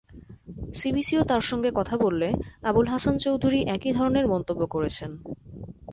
সিবিসিও তাঁর সঙ্গে কথা বললে আবুল হাসান চৌধুরী একই ধরনের মন্তব্য করেছেন।